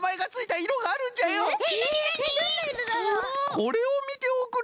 これをみておくれ！